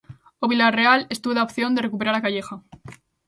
O Vilarreal estuda a opción de recuperar a Calleja.